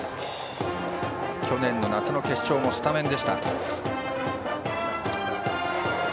去年の夏の決勝もスタメンでした。